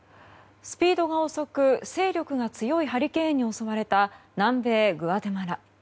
スピードが遅く勢力が強いハリケーンに襲われた南米グアテマラ。